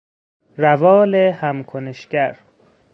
روال هم کنشگر